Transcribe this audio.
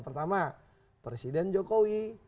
pertama presiden jokowi